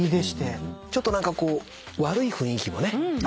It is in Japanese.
ちょっと何かこう悪い雰囲気もね